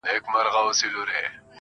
چي زيات وخوړل هغه مشايخ شو